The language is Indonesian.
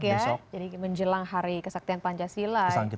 jadi menjelang hari kesaktian pancasila